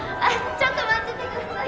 ちょっと待っててください。